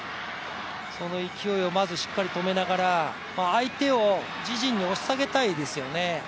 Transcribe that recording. その勢いをしっかり止めながら相手を自陣に押し下げたいですよね。